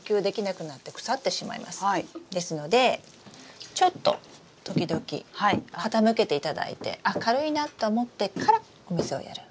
ですのでちょっと時々傾けていただいてあ軽いなと思ってからお水をやる。